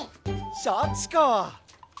シャチか！